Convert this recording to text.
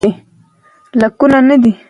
لعل د افغانستان د ملي هویت نښه ده.